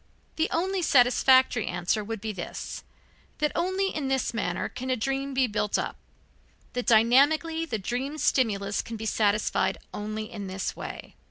The only satisfactory answer would be this, that only in this manner can a dream be built up, that dynamically the dream stimulus can be satisfied only in this way.